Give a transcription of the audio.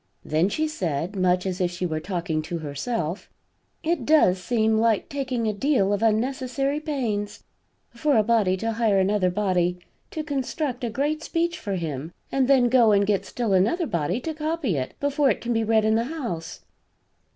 Then she said, much as if she were talking to herself: "It does seem like taking a deal of unnecessary pains, for a body to hire another body to construct a great speech for him and then go and get still another body to copy it before it can be read in the House."